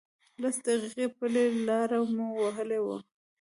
لس دقیقې پلی لاره مو وهلې وه.